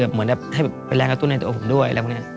เหมือนไปแล้งกระตุ้นในตัวผมด้วย